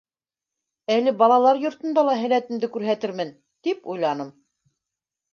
Әле балалар йортонда ла һәләтемде күрһәтермен, тип уйланым.